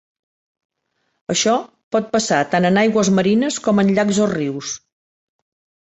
Això pot passar tant en aigües marines com en llacs o rius.